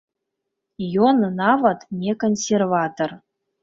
Ён нават не кансерватар.